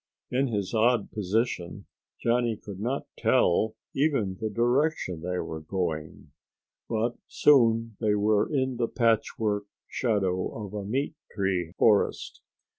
In his odd position Johnny could not tell even the direction they were going. But soon they were in the patchwork shadow of a meat tree forest.